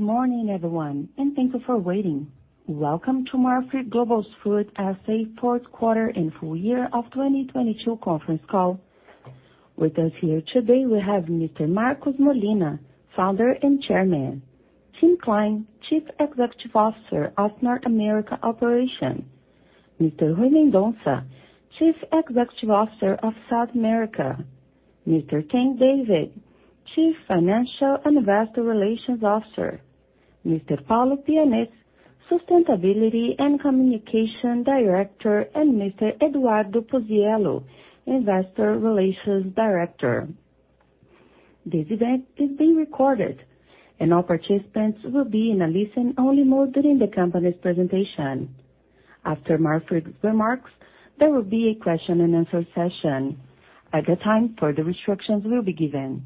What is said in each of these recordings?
Good morning, everyone, and thank you for waiting. Welcome to Marfrig Global Foods S.A. Fourth Quarter and Full-Year of 2022 conference call. With us here today we have Mr. Marcos Molina, Founder and Chairman, Tim Klein, Chief Executive Officer of North America Operations, Mr. Rui Mendonca, Chief Executive Officer of South America, Mr. Tang David, Chief Financial and Investor Relations Officer, Mr. Paulo Pianez, Sustainability and Communications Director, and Mr. Eduardo Puzziello, Investor Relations Director. This event is being recorded and all participants will be in a listen-only mode during the company's presentation. After Marfrig's remarks, there will be a question and answer session. At that time, further instructions will be given.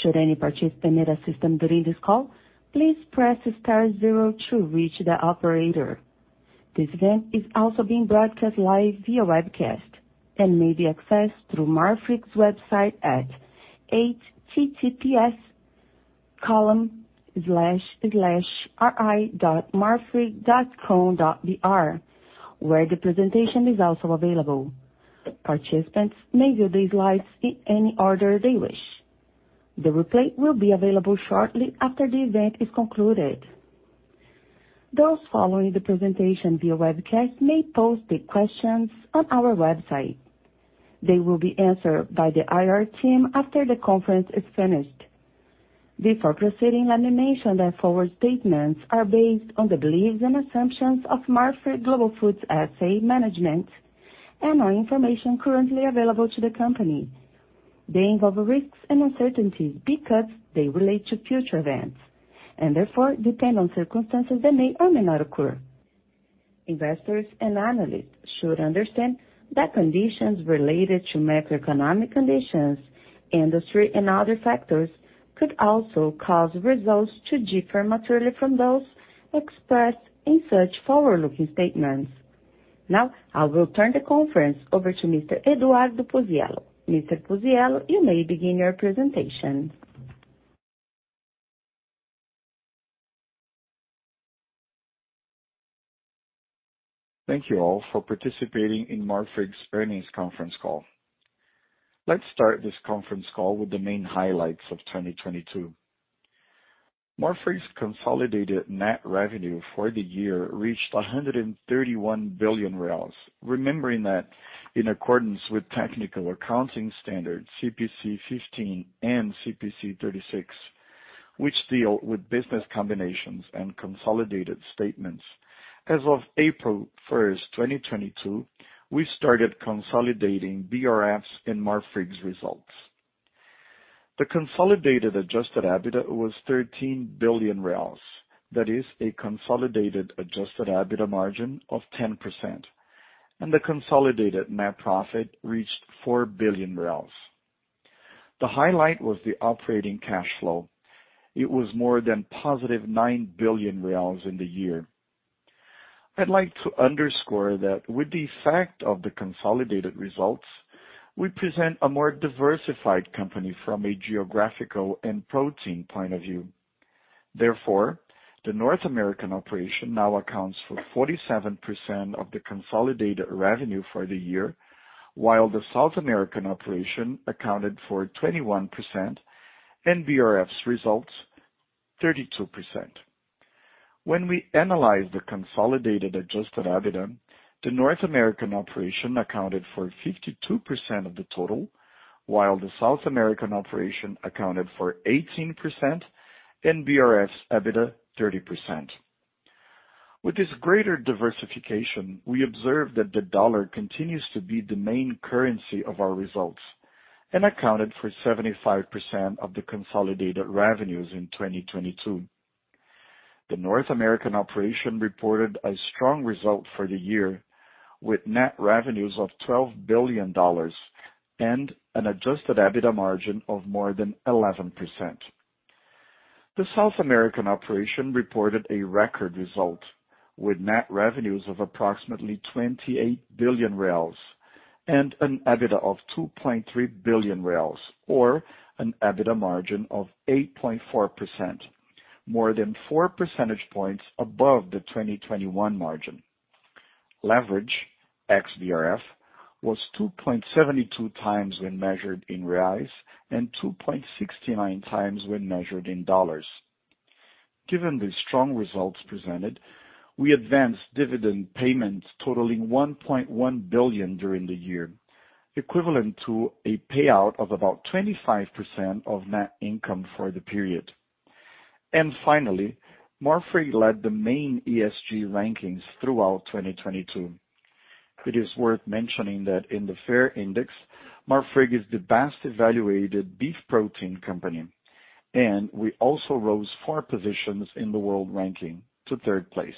Should any participant need assistance during this call, please press star zero to reach the operator. This event is also being broadcast live via webcast and may be accessed through Marfrig's website at https://ri.marfrig.com.br, where the presentation is also available. Participants may view the slides in any order they wish. The replay will be available shortly after the event is concluded. Those following the presentation via webcast may post the questions on our website. They will be answered by the IR team after the conference is finished. Before proceeding, let me mention that forward statements are based on the beliefs and assumptions of Marfrig Global Foods S.A. management and on information currently available to the company. They involve risks and uncertainties because they relate to future events and therefore depend on circumstances that may or may not occur. Investors and analysts should understand that conditions related to macroeconomic conditions, industry, and other factors could also cause results to differ materially from those expressed in such forward-looking statements. Now, I will turn the conference over to Mr. Eduardo Puzziello. Mr. Puzziello, you may begin your presentation. Thank you all for participating in Marfrig's earnings conference call. Let's start this conference call with the main highlights of 2022. Marfrig's consolidated net revenue for the year reached BRL 131 billion. Remembering that in accordance with technical accounting standards CPC 15 and CPC 36, which deal with business combinations and consolidated statements. As of April 1st, 2022, we started consolidating BRF's in Marfrig's results. The consolidated adjusted EBITDA was 13 billion reais. That is a consolidated adjusted EBITDA margin of 10%. The consolidated net profit reached BRL 4 billion. The highlight was the operating cash flow. It was more than positive 9 billion reais in the year. I'd like to underscore that with the effect of the consolidated results, we present a more diversified company from a geographical and protein point of view. Therefore, the North American operation now accounts for 47% of the consolidated revenue for the year, while the South American operation accounted for 21% and BRF's results 32%. When we analyze the consolidated adjusted EBITDA, the North American operation accounted for 52% of the total, while the South American operation accounted for 18% and BRF's EBITDA 30%. With this greater diversification, we observe that the dollar continues to be the main currency of our results and accounted for 75% of the consolidated revenues in 2022. The North American operation reported a strong result for the year with net revenues of $12 billion and an adjusted EBITDA margin of more than 11%. The South American operation reported a record result with net revenues of approximately 28 billion and an EBITDA of 2.3 billion or an EBITDA margin of 8.4%, more than 4 percentage points above the 2021 margin. Leverage ex-BRF was 2.72x when measured in Brazilian Reals and 2.69x when measured in U.S. Dollar. Given the strong results presented, we advanced dividend payments totaling 1.1 billion during the year equivalent to a payout of about 25% of net income for the period. Finally, Marfrig led the main ESG rankings throughout 2022. It is worth mentioning that in the FAIRR Index, Marfrig is the best evaluated beef protein company. We also rose four positions in the world ranking to third place.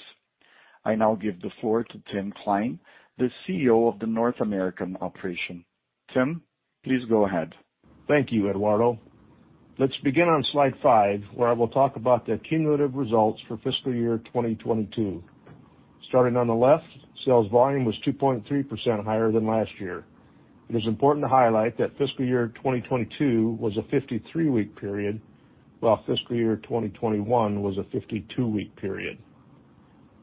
I now give the floor to Tim Klein, the CEO of the North America Operations. Tim, please go ahead. Thank you, Eduardo. Let's begin on slide five, where I will talk about the cumulative results for Fiscal Year 2022. Starting on the left, sales volume was 2.3% higher than last year. It is important to highlight that Fiscal Year 2022 was a 53-week period, while Fiscal Year 2021 was a 52-week period.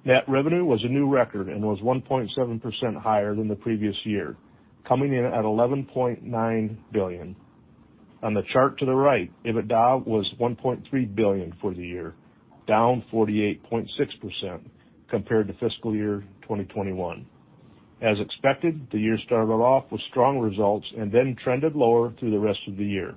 Net revenue was a new record and was 1.7% higher than the previous year, coming in at $11.9 billion. On the chart to the right, EBITDA was $1.3 billion for the year, down 48.6% compared to Fiscal Year 2021. As expected, the year started off with strong results and then trended lower through the rest of the year.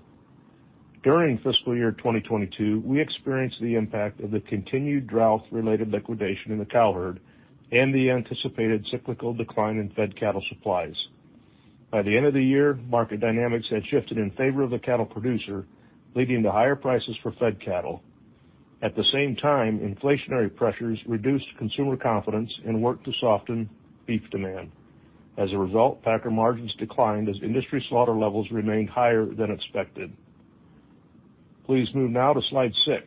During Fiscal Year 2022, we experienced the impact of the continued drought-related liquidation in the cowherd and the anticipated cyclical decline in fed cattle supplies. By the end of the year, market dynamics had shifted in favor of the cattle producer leading to higher prices for fed cattle. At the same time, inflationary pressures reduced consumer confidence and worked to soften beef demand. As a result, packer margins declined as industry slaughter levels remained higher than expected. Please move now to slide six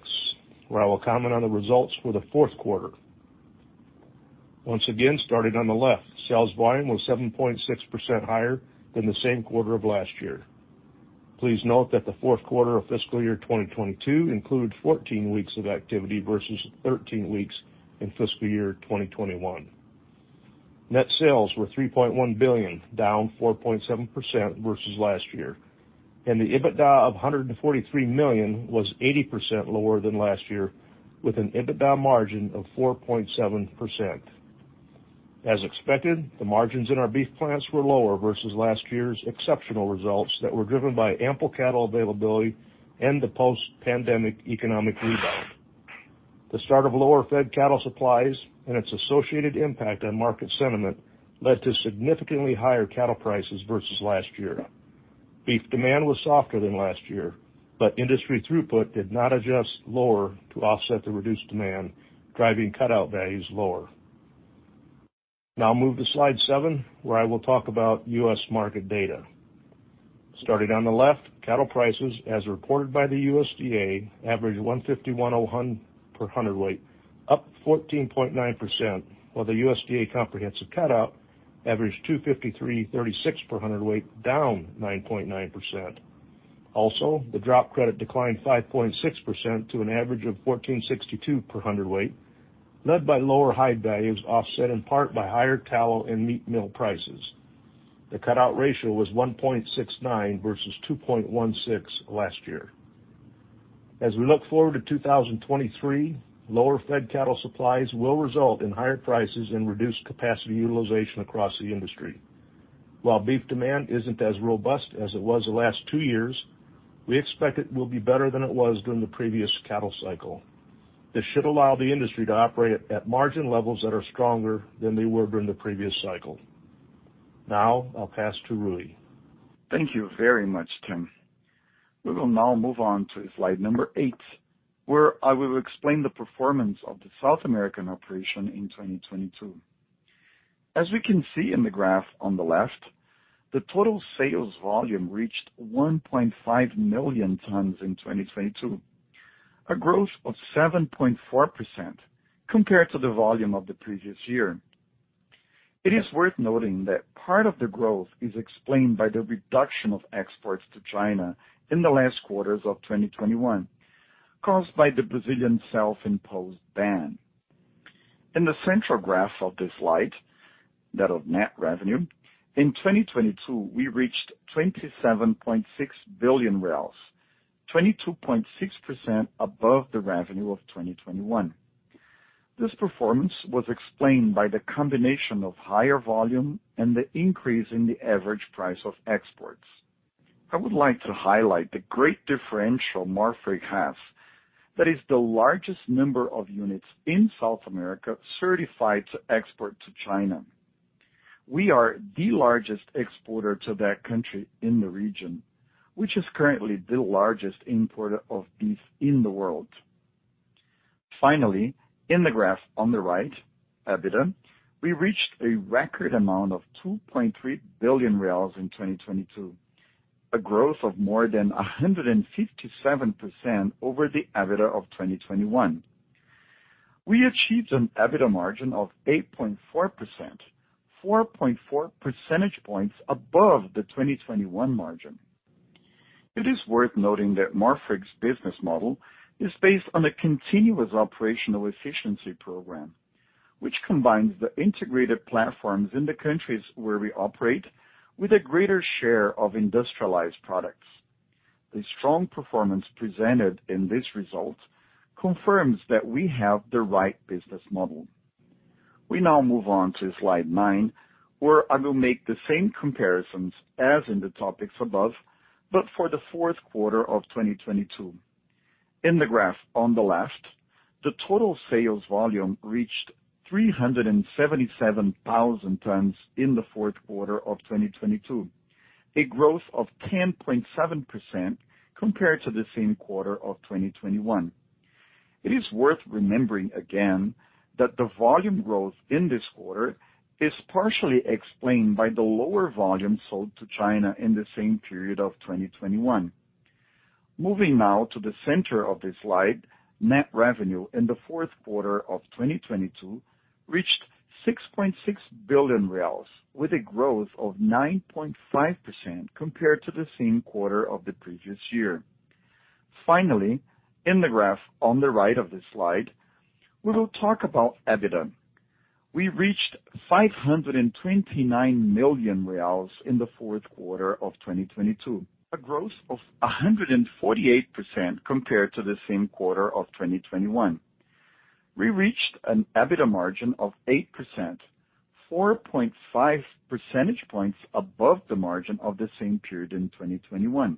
where I'll comment on the results for the fourth quarter. Once again, starting on the left, sales volume was 7.6% higher than the same quarter of last year. Please note that the fourth quarter of Fiscal Year 2022 includes 14 weeks of activity versus 13 weeks in Fiscal Year 2021. Net sales were $3.1 billion, down 4.7% versus last year. The EBITDA of $143 million was 80% lower than last year with an EBITDA margin of 4.7%. As expected, the margins in our beef plants were lower versus last year's exceptional results that were driven by ample cattle availability and the post-pandemic economic rebound. The start of lower fed cattle supplies and its associated impact on market sentiment led to significantly higher cattle prices versus last year. Beef demand was softer than last year, but industry throughput did not adjust lower to offset the reduced demand, driving cutout values lower. Now, move to slide seven, where I will talk about U.S. market data. Starting on the left, cattle prices, as reported by the USDA, averaged $151 per hundredweight, up 14.9%, while the USDA comprehensive cutout averaged $253.36 per hundredweight, down 9.9%. Also, the drop credit declined 5.6% to an average of $14.62 per hundredweight, led by lower hide values, offset in part by higher tallow and meat mill prices. The cutout ratio was 1.69 versus 2.16 last year. As we look forward to 2023, lower fed cattle supplies will result in higher prices and reduced capacity utilization across the industry. While beef demand isn't as robust as it was the last two years, we expect it will be better than it was during the previous cattle cycle. This should allow the industry to operate at margin levels that are stronger than they were during the previous cycle. Now I'll pass to Rui. Thank you very much, Tim. We will now move on to slide number eight, where I will explain the performance of the South American operation in 2022. We can see in the graph on the left, the total sales volume reached 1.5 million tons in 2022, a growth of 7.4%, compared to the volume of the previous year. It is worth noting that part of the growth is explained by the reduction of exports to China in the last quarters of 2021 caused by the Brazilian self-imposed ban. In the central graph of this slide, that of net revenue, in 2022, we reached BRL 27.6 billion, 22.6% above the revenue of 2021. This performance was explained by the combination of higher volume and the increase in the average price of exports. I would like to highlight the great differential Marfrig has, that is the largest number of units in South America certified to export to China. We are the largest exporter to that country in the region, which is currently the largest importer of beef in the world. Finally, in the graph on the right, EBITDA, we reached a record amount of 2.3 billion reais in 2022, a growth of more than 157% over the EBITDA of 2021. We achieved an EBITDA margin of 8.4%, 4.4 percentage points above the 2021 margin. It is worth noting that Marfrig's business model is based on a continuous operational efficiency program, which combines the integrated platforms in the countries where we operate with a greater share of industrialized products. The strong performance presented in this result confirms that we have the right business model. We now move on to slide nine, where I will make the same comparisons as in the topics above, but for the fourth quarter of 2022. In the graph on the left, the total sales volume reached 377,000 tons in the fourth quarter of 2022, a growth of 10.7% compared to the same quarter of 2021. It is worth remembering again that the volume growth in this quarter is partially explained by the lower volume sold to China in the same period of 2021. Moving now to the center of the slide, net revenue in the fourth quarter of 2022 reached 6.6 billion reais with a growth of 9.5% compared to the same quarter of the previous year. Finally, in the graph on the right of this slide, we will talk about EBITDA. We reached 529 million reais in the fourth quarter of 2022, a growth of 148% compared to the same quarter of 2021. We reached an EBITDA margin of 8%, 4.5 percentage points above the margin of the same period in 2021.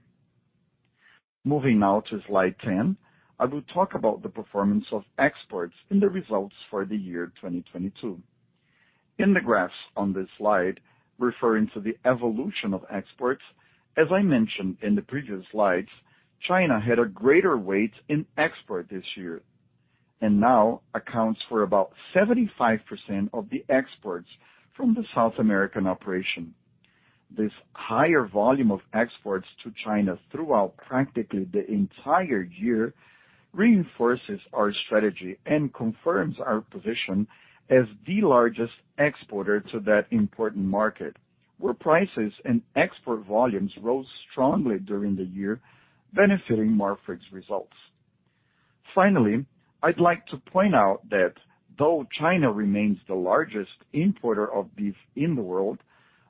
Moving now to slide 10, I will talk about the performance of exports in the results for the Year 2022. In the graphs on this slide, referring to the evolution of exports, as I mentioned in the previous slides, China had a greater weight in export this year, and now accounts for about 75% of the exports from the South American operation. This higher volume of exports to China throughout practically the entire year reinforces our strategy and confirms our position as the largest exporter to that important market, where prices and export volumes rose strongly during the year, benefiting Marfrig's results. Finally, I'd like to point out that though China remains the largest importer of beef in the world,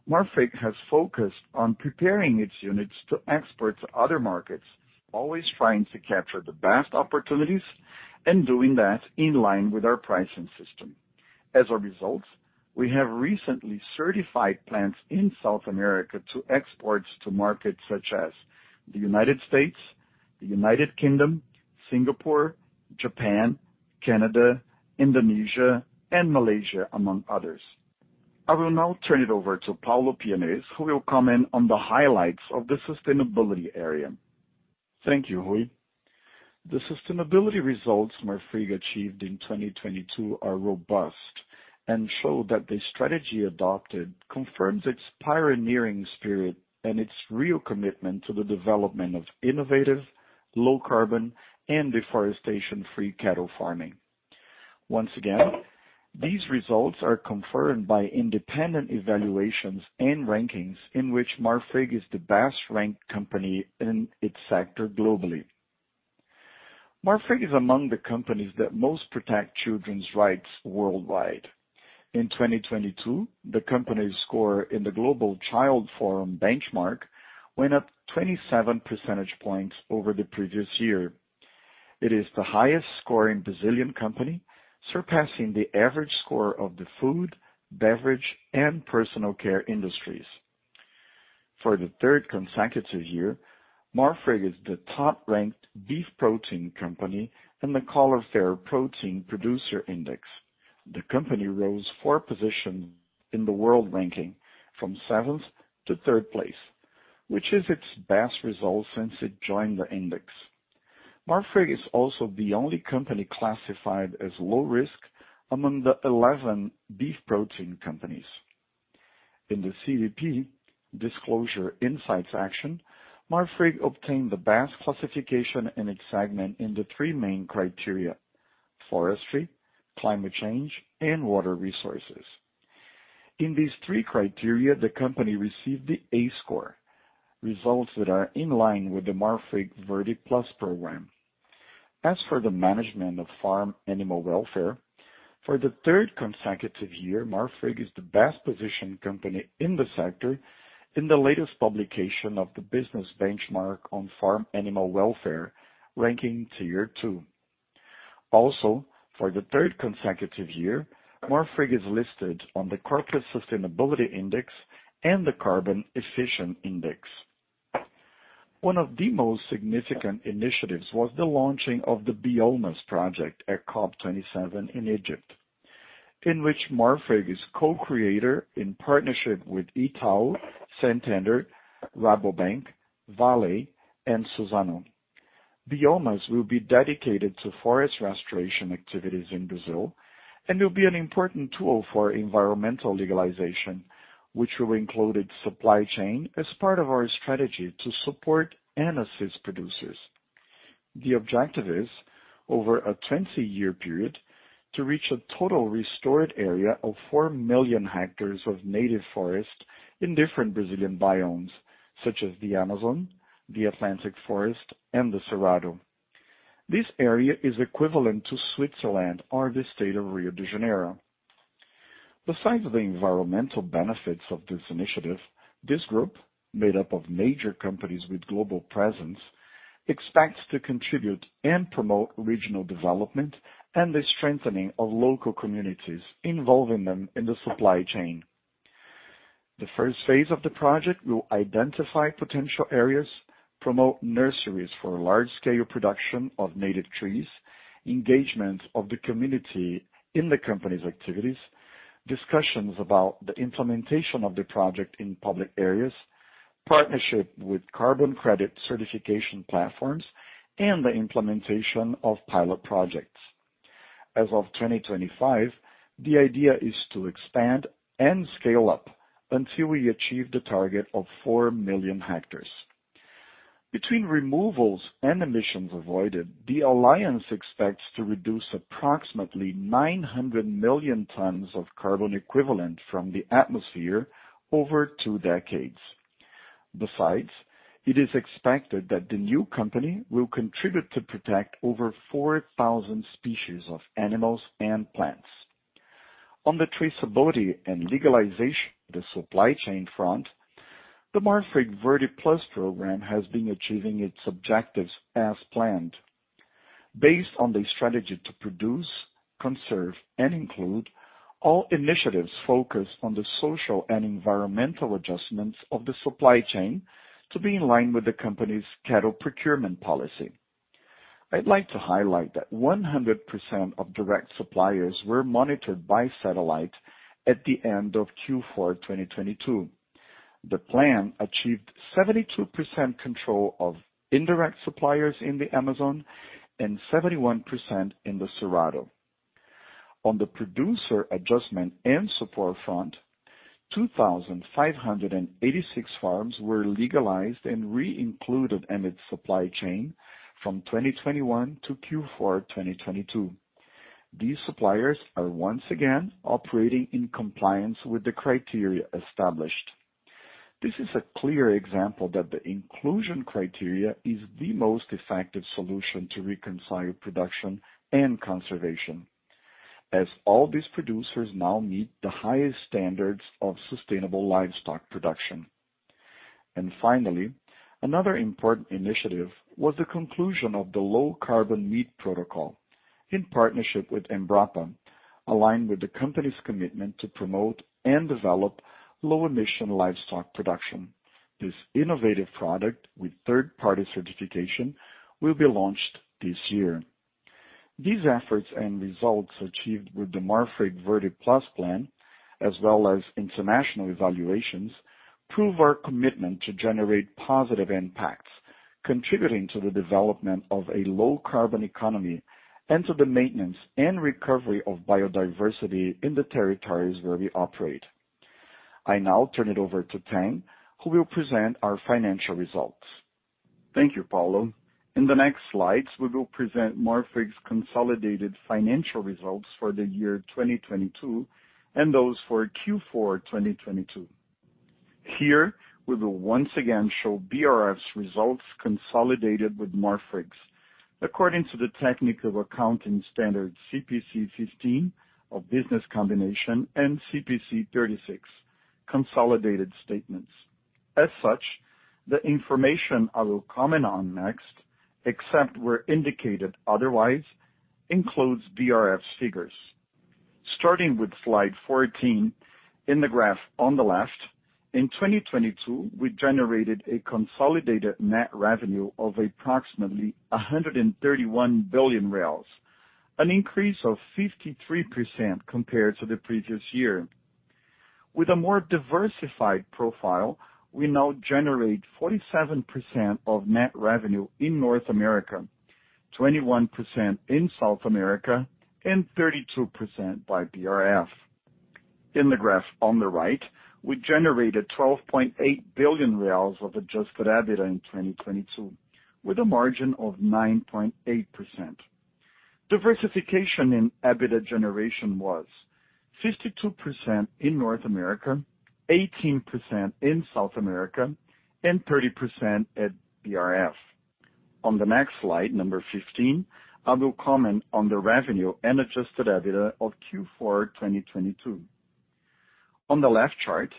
Marfrig has focused on preparing its units to export to other markets, always trying to capture the best opportunities, and doing that in line with our pricing system. As a result, we have recently certified plants in South America to export to markets such as the United States, the United Kingdom, Singapore, Japan, Canada, Indonesia and Malaysia, among others. I will now turn it over to Paulo Pianez who will comment on the highlights of the sustainability area. Thank you, Rui. The sustainability results Marfrig achieved in 2022 are robust and show that the strategy adopted confirms its pioneering spirit and its real commitment to the development of innovative, low carbon and deforestation-free cattle farming. Once again, these results are confirmed by independent evaluations and rankings in which Marfrig is the best ranked company in its sector globally. Marfrig is among the companies that most protect children's rights worldwide. In 2022, the company's score in the Global Child Forum Benchmark went up 27 percentage points over the previous year. It is the highest scoring Brazilian company, surpassing the average score of the food, beverage and personal care industries. For the third consecutive year, Marfrig is the top-ranked beef protein company in the Coller FAIRR Protein Producer Index. The company rose four positions in the world ranking from seventh to third place, which is its best result since it joined the index. Marfrig is also the only company classified as low risk among the 11 beef protein companies. In the CDP Disclosure Insight Action, Marfrig obtained the best classification in its segment in the three main criteria: forestry, climate change and water resources. In these three criteria, the company received the A score, results that are in line with the Marfrig Verde+ program. As for the management of farm animal welfare, for the third consecutive year, Marfrig is the best positioned company in the sector in the latest publication of the Business Benchmark on Farm Animal Welfare, ranking tier 2. Also, for the third consecutive year, Marfrig is listed on the Corporate Sustainability Index and the Carbon Efficient Index. One of the most significant initiatives was the launching of the Biomas project at COP27 in Egypt, in which Marfrig is co-creator in partnership with Itau, Santander, Rabobank, Vale and Suzano. Biomas will be dedicated to forest restoration activities in Brazil and will be an important tool for environmental legalization, which will include its supply chain as part of our strategy to support and assist producers. The objective is, over a 20-year period, to reach a total restored area of 4 million hectares of native forest in different Brazilian biomes such as the Amazon, the Atlantic Forest, and the Cerrado. This area is equivalent to Switzerland or the state of Rio de Janeiro. Besides the environmental benefits of this initiative, this group, made up of major companies with global presence, expects to contribute and promote regional development and the strengthening of local communities involving them in the supply chain. The first phase of the project will identify potential areas, promote nurseries for large-scale production of native trees, engagement of the community in the company's activities, discussions about the implementation of the project in public areas, partnership with carbon credit certification platforms, and the implementation of pilot projects. As of 2025, the idea is to expand and scale up until we achieve the target of 4 million hectares. Between removals and emissions avoided, the alliance expects to reduce approximately 900 million tons of carbon equivalent from the atmosphere over two decades. Besides, it is expected that the new company will contribute to protect over 4,000 species of animals and plants. On the traceability and legalization of the supply chain front, the Marfrig Verde+ program has been achieving its objectives as planned. Based on the strategy to produce, conserve, and include, all initiatives focused on the social and environmental adjustments of the supply chain to be in line with the company's cattle procurement policy. I'd like to highlight that 100% of direct suppliers were monitored by satellite at the end of Q4 2022. The plan achieved 72% control of indirect suppliers in the Amazon and 71% in the Cerrado. On the producer adjustment and support front, 2,586 farms were legalized and re-included in its supply chain from 2021 to Q4 2022. These suppliers are once again operating in compliance with the criteria established. This is a clear example that the inclusion criteria is the most effective solution to reconcile production and conservation as all these producers now meet the highest standards of sustainable livestock production. Finally, another important initiative was the conclusion of the low-carbon meat protocol in partnership with Embrapa aligned with the company's commitment to promote and develop low-emission livestock production. This innovative product with third-party certification will be launched this year. These efforts and results achieved with the Marfrig Verde+ plan, as well as international evaluations, prove our commitment to generate positive impacts, contributing to the development of a low-carbon economy and to the maintenance and recovery of biodiversity in the territories where we operate. I now turn it over to Tang who will present our financial results. Thank you, Paulo. In the next slides, we will present Marfrig's consolidated financial results for the Year 2022 and those for Q4 2022. Here, we will once again show BRF's results consolidated with Marfrig's. According to the technical accounting standard CPC 15 of Business Combinations and CPC 36, Consolidated statements. As such, the information I will comment on next, except where indicated otherwise includes BRF's figures. Starting with slide 14, in the graph on the left, in 2022, we generated a consolidated net revenue of approximately BRL 131 billion, an increase of 53% compared to the previous year. With a more diversified profile, we now generate 47% of net revenue in North America, 21% in South America, and 32% by BRF. In the graph on the right, we generated 12.8 billion reais of adjusted EBITDA in 2022 with a margin of 9.8%. Diversification in EBITDA generation was 52% in North America, 18% in South America, and 30% at BRF. On the next slide, number 15, I will comment on the revenue and adjusted EBITDA of Q4 2022. On the left chart,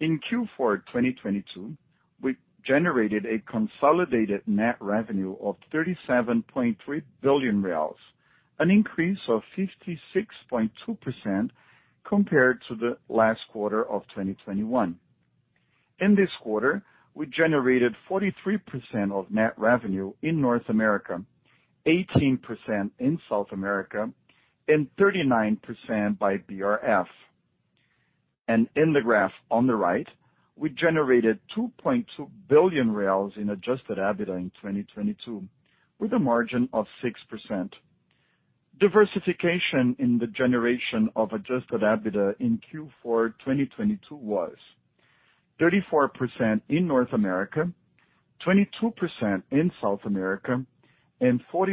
in Q4 2022, we generated a consolidated net revenue of 37.3 billion reais, an increase of 56.2% compared to the last quarter of 2021. In this quarter, we generated 43% of net revenue in North America, 18% in South America, and 39% by BRF. In the graph on the right, we generated 2.2 billion in adjusted EBITDA in 2022 with a margin of 6%. Diversification in the generation of adjusted EBITDA in Q4 2022 was 34% in North America, 22% in South America, and 44%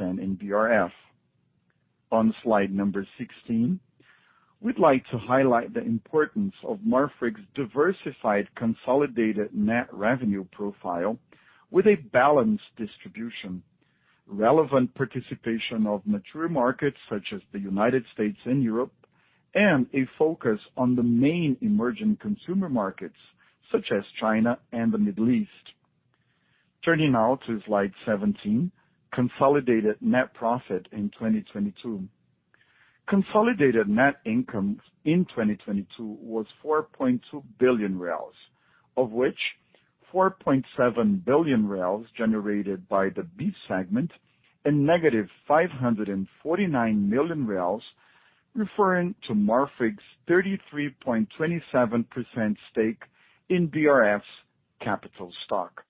in BRF. On slide number 16, we'd like to highlight the importance of Marfrig's diversified consolidated net revenue profile with a balanced distribution, relevant participation of mature markets such as the United States and Europe, and a focus on the main emerging consumer markets such as China and the Middle East. Turning now to slide 17, consolidated net profit in 2022. Consolidated net income in 2022 was 4.2 billion reais, of which 4.7 billion reais generated by the beef segment, and -549 million reais referring to Marfrig's 33.27% stake in BRF's capital stock.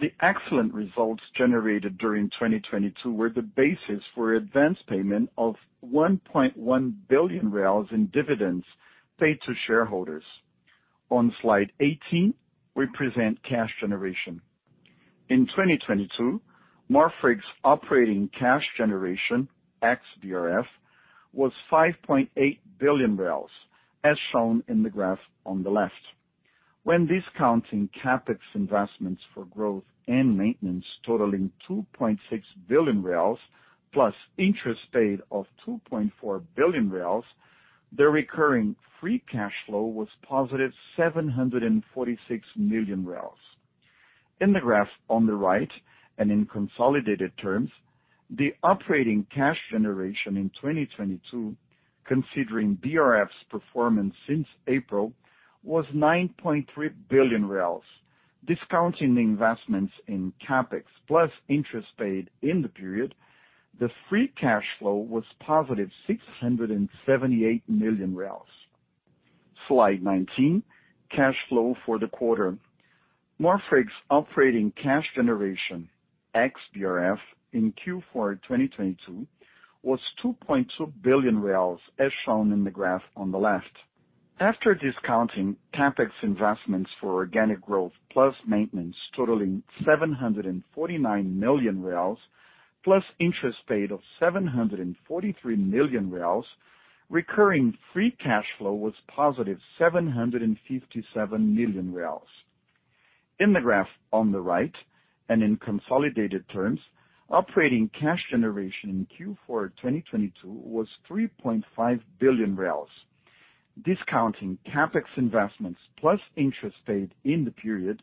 The excellent results generated during 2022 were the basis for advanced payment of 1.1 billion in dividends paid to shareholders. On slide 18, we present cash generation. In 2022, Marfrig's operating cash generation ex-BRF was 5.8 billion as shown in the graph on the left. When discounting CapEx investments for growth and maintenance totaling 2.6 billion reais plus interest paid of 2.4 billion reais, their recurring free cash flow was positive 746 million reais. In the graph on the right and in consolidated terms, the operating cash generation in 2022 considering BRF's performance since April was 9.3 billion reais. Discounting the investments in CapEx plus interest paid in the period, the free cash flow was positive 678 million reais. Slide 19, cash flow for the quarter. Marfrig's operating cash generation ex-BRF in Q4 2022 was 2.2 billion, as shown in the graph on the left. After discounting CapEx investments for organic growth plus maintenance totaling 749 million reais plus interest paid of 743 million reais, recurring free cash flow was +757 million reais. In the graph on the right and in consolidated terms, operating cash generation in Q4 2022 was 3.5 billion reais. Discounting CapEx investments plus interest paid in the period,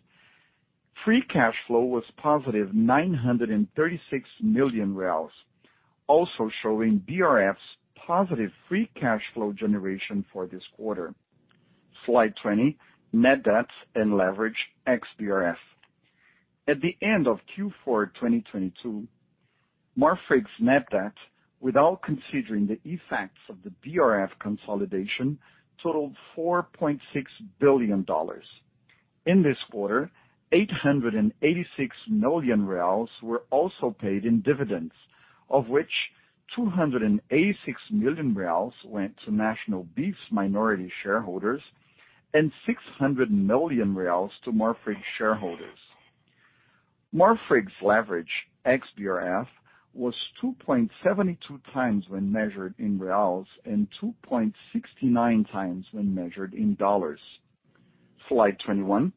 free cash flow was positive 936 million reais, also showing BRF's positive free cash flow generation for this quarter. Slide 20, net debt and leverage ex-BRF. At the end of Q4 2022, Marfrig's net debt, without considering the effects of the BRF consolidation, totaled $4.6 billion. In this quarter, 886 million reais were also paid in dividends, of which 286 million reais went to National Beef's minority shareholders, and 600 million reais to Marfrig's shareholders. Marfrig's leverage ex-BRF was 2.72x when measured in BRL and 2.69x when measured in dollars. Slide 21,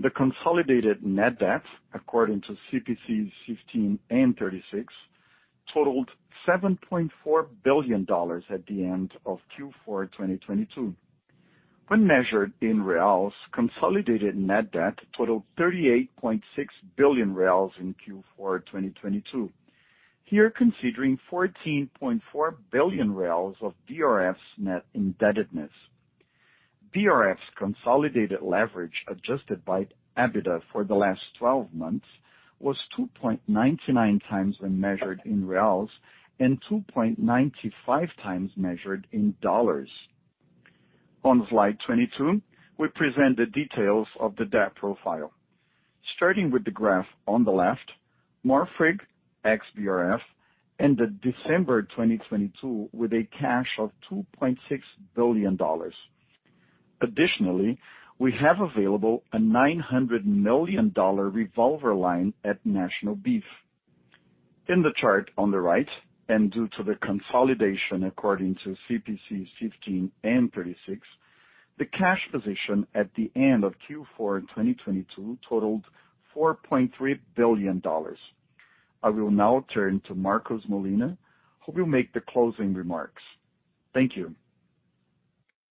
the consolidated net debt according to CPC 16 and 36 totaled $7.4 billion at the end of Q4 2022. When measured in reals, consolidated net debt totaled 38.6 billion in Q4 2022. Here considering 14.4 billion of BRF's net indebtedness. BRF's consolidated leverage adjusted by EBITDA for the last 12 months was 2.99x when measured in reals and 2.95x measured in dollars. On slide 22, we present the details of the debt profile. Starting with the graph on the left, Marfrig ex-BRF ended December 2022 with a cash of $2.6 billion. We have available a $900 million revolver line at National Beef. In the chart on the right and due to the consolidation according to CPC 15 and 36, the cash position at the end of Q4 in 2022 totaled $4.3 billion. I will now turn to Marcos Molina, who will make the closing remarks. Thank you.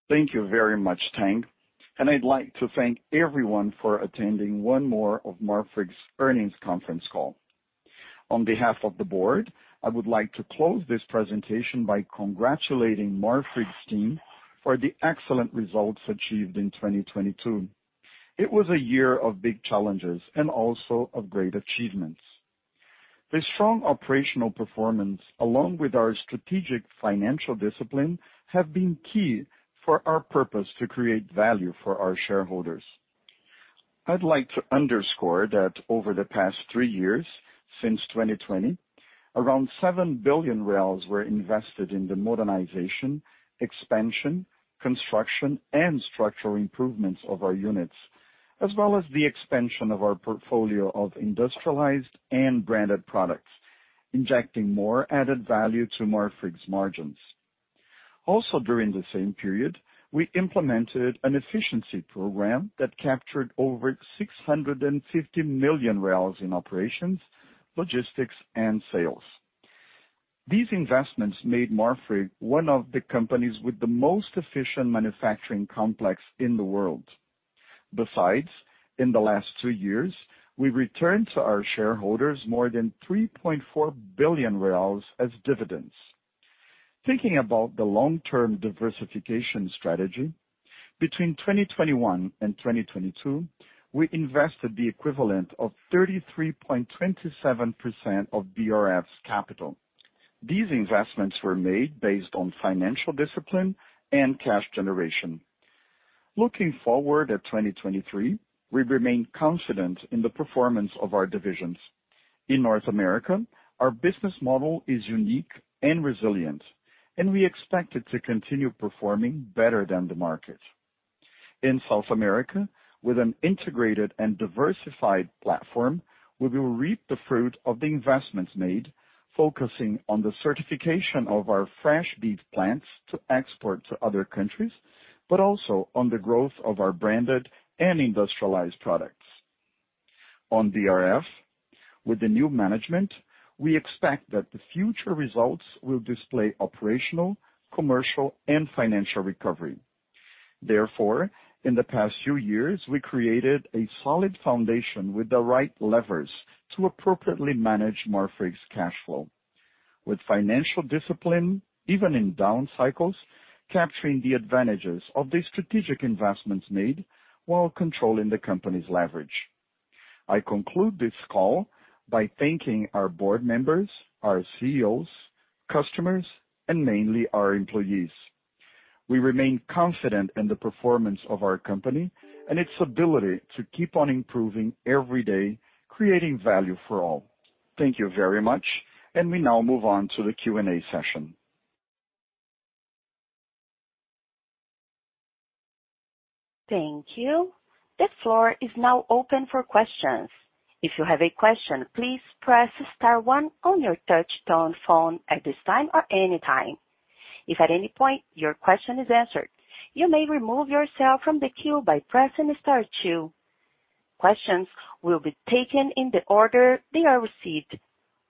Thank you very much and Tang. I'd like to thank everyone for attending one more of Marfrig's earnings conference call. On behalf of the board, I would like to close this presentation by congratulating Marfrig's team for the excellent results achieved in 2022. It was a year of big challenges and also of great achievements. The strong operational performance, along with our strategic financial discipline, have been key for our purpose to create value for our shareholders. I'd like to underscore that over the past three years, since 2020, around 7 billion were invested in the modernization, expansion, construction, and structural improvements of our units, as well as the expansion of our portfolio of industrialized and branded products, injecting more added value to Marfrig's margins. During the same period, we implemented an efficiency program that captured over 650 million in operations, logistics, and sales. These investments made Marfrig one of the companies with the most efficient manufacturing complex in the world. Besides, in the last two years, we've returned to our shareholders more than 3.4 billion reais as dividends. Thinking about the long-term diversification strategy, between 2021 and 2022, we invested the equivalent of 33.27% of BRF's capital. These investments were made based on financial discipline and cash generation. Looking forward at 2023, we remain confident in the performance of our divisions. In North America, our business model is unique and resilient, and we expect it to continue performing better than the market. In South America, with an integrated and diversified platform, we will reap the fruit of the investments made focusing on the certification of our fresh beef plants to export to other countries, but also on the growth of our branded and industrialized products. On BRF, with the new management, we expect that the future results will display operational, commercial, and financial recovery. Therefore, in the past few years, we created a solid foundation with the right levers to appropriately manage Marfrig's cash flow. With financial discipline, even in down cycles, capturing the advantages of the strategic investments made while controlling the company's leverage. I conclude this call by thanking our board members, our CEOs, customers, and mainly our employees. We remain confident in the performance of our company and its ability to keep on improving every day creating value for all. Thank you very much. We now move on to the Q&A session. Thank you. The floor is now open for questions. If you have a question, please press star one on your touch tone phone at this time or any time. If at any point your question is answered, you may remove yourself from the queue by pressing star two. Questions will be taken in the order they are received.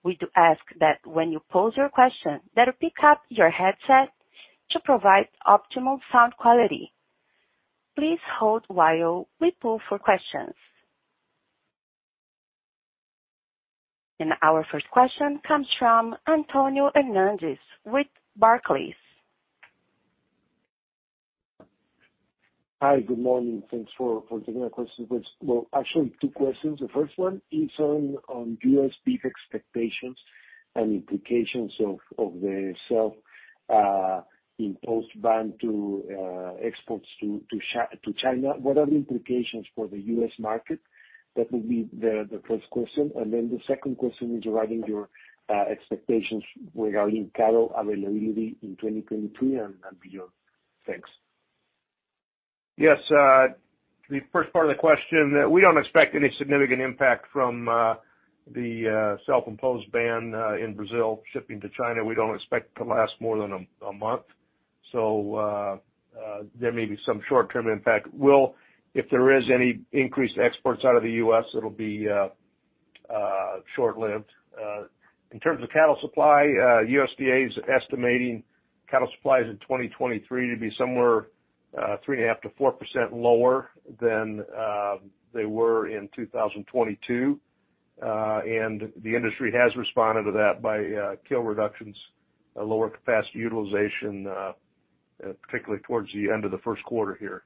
We do ask that when you pose your question that you pick up your headset to provide optimal sound quality. Please hold while we pull for questions. Our first question comes from Antonio Hernández with Barclays. Hi. Good morning. Thanks for taking our questions. Well, actually two questions. The first one is on U.S. beef expectations and implications of the self-imposed ban to exports to China. What are the implications for the U.S. market? That will be the first question. The second question is regarding your expectations regarding cattle availability in 2023 and beyond. Thanks. Yes. The first part of the question, we don't expect any significant impact from the self-imposed ban in Brazil shipping to China. We don't expect it to last more than a month. There may be some short-term impact. If there is any increased exports out of the U.S., it'll be short-lived. In terms of cattle supply, USDA is estimating cattle supplies in 2023 to be somewhere 3.5% to 4% lower than they were in 2022. The industry has responded to that by kill reductions, lower capacity utilization, particularly towards the end of the first quarter here.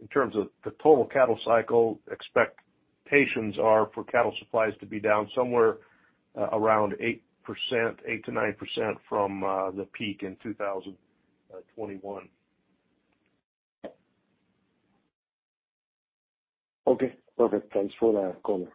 In terms of the total cattle cycle, expectations are for cattle supplies to be down somewhere, around 8%, 8% to 9% from the peak in 2021. Okay. Perfect. Thanks for the call.